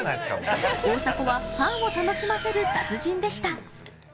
大迫はファンを楽しませる達人でした。